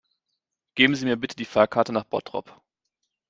Geben Sie mir bitte die Fahrkarte nach Bottrop